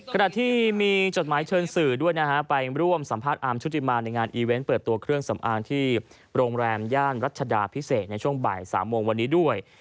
ขณะที่มีจดหมายเชิญสื่อด้วยนะฮะไปร่วมสัมภาษณ์อาร์มชุติมาในงานอีเวนต์เปิดตัวเครื่องสำอางที่โรงแรมย่านรัชดาพิเศษในช่วงบ่าย๓โมงวันนี้ด้วย